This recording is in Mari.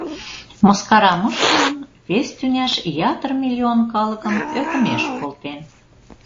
...Мыскарам ыштылын, вес тӱняш ятыр миллион калыкым ӧкымеш колтен.